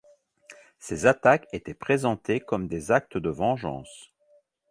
Ces attaques étaient présentées comme des actes de vengeance.